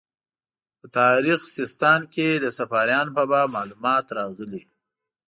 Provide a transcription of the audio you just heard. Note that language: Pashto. په تاریخ سیستان کې د صفاریانو په باب معلومات راغلي.